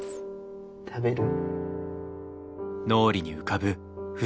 食べる？